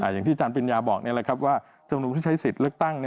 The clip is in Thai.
อย่างที่จานปริญญาบอกว่าจำนวนผู้ใช้สิทธิ์เลือกตั้ง